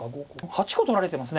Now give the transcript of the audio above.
８個取られてます。